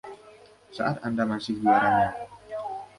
Saat Anda masih juaranya!